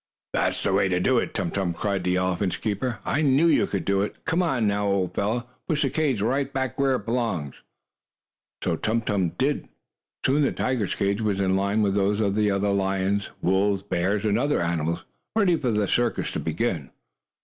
"That's the way to do it, Tum Tum!" cried the elephant's keeper. "I knew you could do it. Come on now, old fellow. Push the cage right back where it belongs." Tum Tum did so. Soon the tiger's cage was in line with those of the lions, wolves, bears and other animals, ready for the circus to begin.